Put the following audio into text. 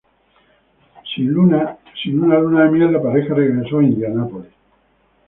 Sin una luna de miel, la pareja regresó a Indianapolis.